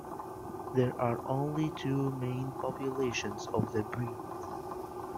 There are only two main populations of the breed.